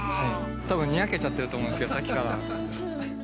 多分ニヤけちゃってると思うんですけどさっきから。